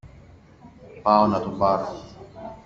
πάω να τον πάρω.